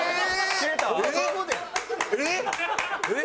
えっ？